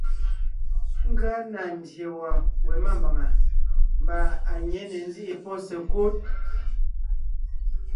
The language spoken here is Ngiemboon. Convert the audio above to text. Ngʉa na ndyè wɔ̀ɔn we mámbàŋa mbà à nyě ne ńzíʼi pɔ́ sekúd.